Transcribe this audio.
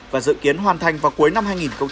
và dự kiến hoàn thành vào cuối năm hai nghìn hai mươi